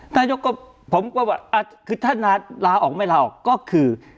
นายกก็ผมก็ว่าคือท่านลาออกไม่ลาออกก็คือ